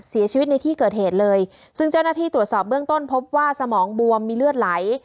เสียชีวิตในที่เกิดเหตุเลยซึ่งเจ้าหน้าที่ตรวจสอบเบื้องต้นพบว่าสมองบวมมีเลือดไหล